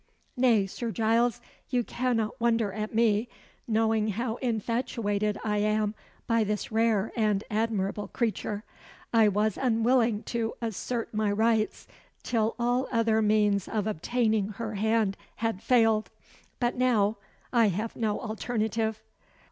"Nay, Sir Giles, you cannot wonder at me, knowing how infatuated I am by this rare and admirable creature. I was unwilling to assert my rights till all other means of obtaining her hand had failed. But now I have no alternative."